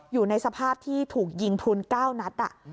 อยู่ในสภาพที่ถูกยิงพลุน๙นัด